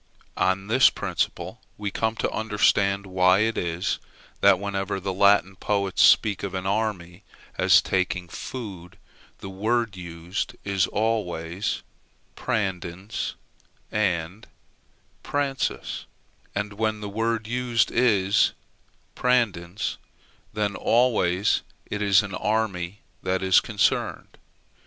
On this principle we come to understand why it is, that, whenever the Latin poets speak of an army as taking food, the word used is always prandens and pransus; and, when the word used is prandens, then always it is an army that is concerned.